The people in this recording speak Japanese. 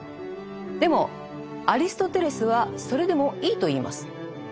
でもアリストテレスはそれでもいいと言います。